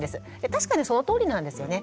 確かにそのとおりなんですよね。